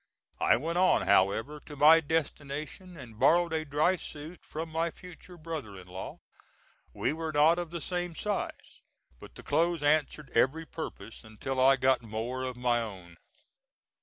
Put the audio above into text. I went on, however, to my destination and borrowed a dry suit from my future brother in law. We were not of the same size, but the clothes answered every purpose until I got more of my own.